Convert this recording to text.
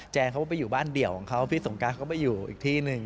เขาก็ไปอยู่บ้านเดี่ยวของเขาพี่สงการเขาไปอยู่อีกที่หนึ่ง